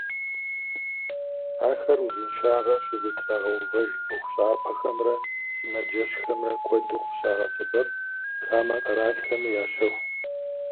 Ахэр узыншагъэр щызэтрагъэувэж ӏуэхущӏапӏэхэмрэ сымаджэщхэмрэ куэду къыщагъэсэбэп, хамэ къэралхэми ящэху.